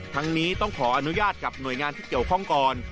ทั้งนี้ต้องขออนุญาตกับหน่วยงานที่เกี่ยวข้องก่อน